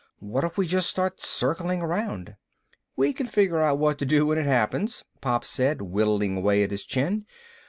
"What if we just start circling around?" "We can figure out what to do when it happens," Pop said, whittling away at his chin.